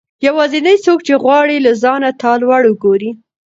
يوازنی څوک چې غواړي له ځانه تا لوړ وګورئ